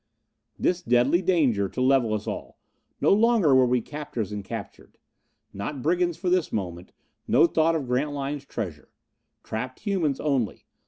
This deadly danger, to level us all! No longer were we captors and captured. Not brigands for this moment. No thought of Grantline's treasure! Trapped humans only!